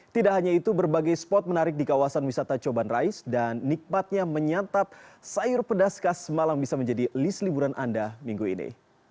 tidak hanya itu berbagai spot menarik di kawasan wisata coban rais dan nikmatnya menyantap sayur pedas khas malang bisa menjadi list liburan anda minggu ini